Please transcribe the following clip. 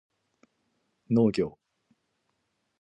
農業